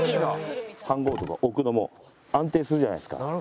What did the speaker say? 飯ごうとか置くのも安定するじゃないですか。